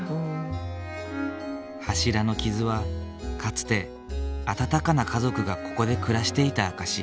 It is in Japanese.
柱の傷はかつて温かな家族がここで暮らしていた証し。